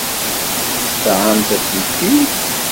Tesεamt aselkim?